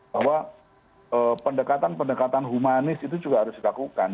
bahwa pendekatan pendekatan humanis itu juga harus dilakukan